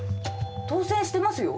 当選してますよ。